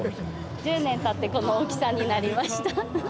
１０年たってこの大きさになりました。